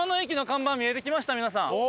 皆さん。